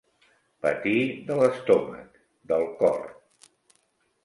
Patir de l'estómac, del cor.